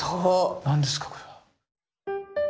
何ですかこれは。